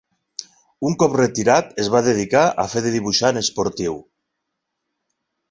Un cop retirat es va dedicar a fer de dibuixant esportiu.